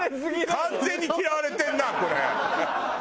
完全に嫌われてるなこれ。